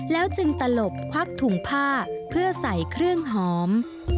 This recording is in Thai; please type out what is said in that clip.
แล้วจึงตลบควักถุงผ้าเพื่อใส่เครื่องหอม